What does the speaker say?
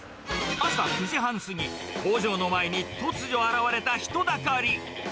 朝９時半過ぎ、工場の前に突如現れた人だかり。